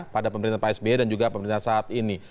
pada pemerintahan psb dan juga pemerintahan saat ini